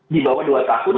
di bawah dua tahun